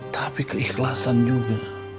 tapi keikhlasan juga